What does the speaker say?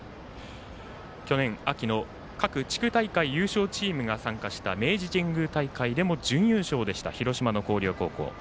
去年、秋の各地区大会優勝チームが参加した明治神宮大会でも準優勝でした広島の広陵高校。